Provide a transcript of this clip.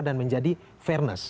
dan menjadi fairness